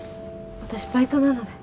私バイトなので。